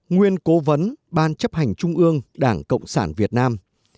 nguyên cố vấn ban chấp hành trung ương đảng cộng sản việt nam